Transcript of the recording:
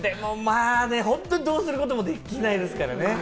あ、本当にどうすることもできないですからね。